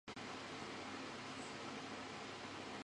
但是也很容易收集指纹。